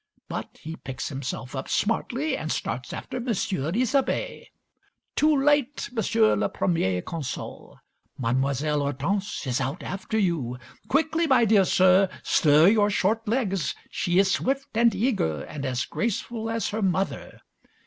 But he picks himself up smartly, and starts after M. Isabey. Too late, M. Le Premier Consul, Mademoiselle Hortense is out after you. Quickly, my dear Sir! Stir your short legs, she is swift and eager, and as graceful as her mother.